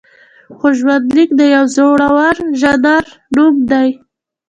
خو ژوندلیک د یوه زړور ژانر نوم دی.